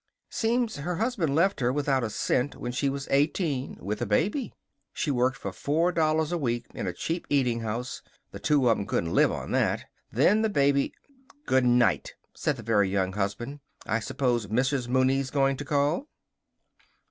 Seems her husband left her without a cent when she was eighteen with a baby. She worked for four dollars a week in a cheap eating house. The two of 'em couldn't live on that. Then the baby " "Good night!" said the Very Young Husband. "I suppose Mrs. Mooney's going to call?"